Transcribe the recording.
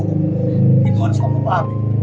pendekat hukum itu harus kamu pahami